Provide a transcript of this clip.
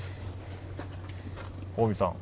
近江さん。